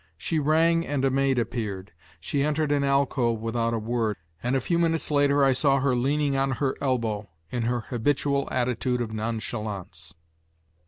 She rang and a maid appeared. She entered an alcove without a word, and a few minutes later I saw her leaning on her elbow in her habitual attitude of nonchalance.